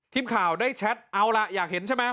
ทีมข่าวได้แชทเอาล่ะอยากเห็นใช่ไหม